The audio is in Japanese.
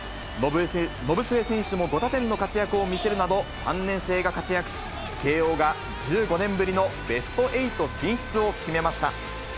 延末選手も５打点の活躍を見せるなど、３年生が活躍し、慶応が１５年ぶりのベスト８進出を決めました。